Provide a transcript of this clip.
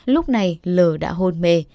lúc này l đã hôn mê